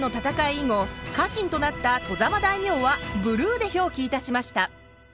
以後家臣となった外様大名はブルーで表記いたしました。